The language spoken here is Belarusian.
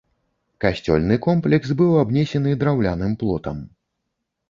Касцёльны комплекс быў абнесены драўляным плотам.